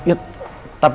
tapi dok kan kenapa